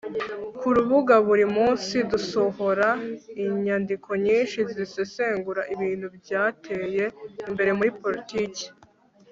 Kurubuga buri munsi dusohora inyandiko nyinshi zisesengura ibintu byateye imbere muri politiki